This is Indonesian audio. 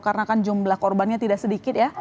karena kan jumlah korbannya tidak sedikit ya